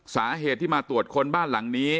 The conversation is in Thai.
สาเหตุที่มาตรวจค้นบ้านหลังนี้